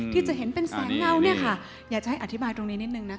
ที่จะเห็นเป็นแสงเงาเนี่ยค่ะอยากจะให้อธิบายตรงนี้นิดนึงนะคะ